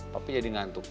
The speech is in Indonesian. papi jadi ngantuk